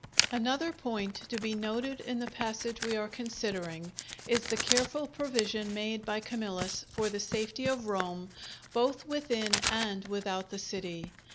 Another point to be noted in the passage we are considering, is the careful provision made by Camillus for the safety of Rome both within and without the city.